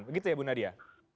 begitu ya bu nadia